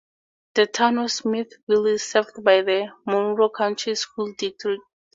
The Town of Smithville is served by the Monroe County School District.